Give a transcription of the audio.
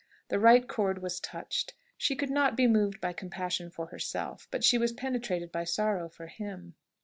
The right chord was touched. She could not be moved by compassion for herself, but she was penetrated by sorrow for him.